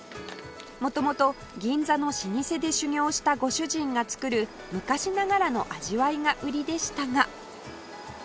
元々銀座の老舗で修業したご主人が作る昔ながらの味わいが売りでしたが